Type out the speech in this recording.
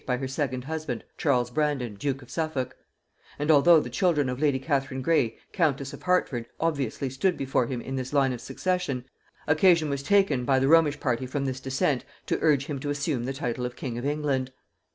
by her second husband Charles Brandon duke of Suffolk; and although the children of lady Catherine Grey countess of Hertford obviously stood before him in this line of succession, occasion was taken by the Romish party from this descent to urge him to assume the title of king of England.